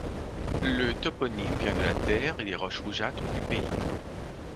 Le toponyme vient de la terre et des roches rougeâtres du pays.